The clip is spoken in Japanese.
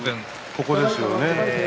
ここですよね。